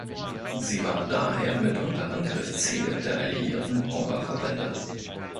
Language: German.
Sie war daher mitunter Angriffsziel der alliierten Bomberverbände.